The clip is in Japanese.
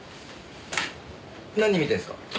何見てるんですか？